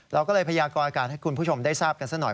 เราก็เลยพยากรอากาศให้คุณผู้ชมได้ทราบกันสักหน่อย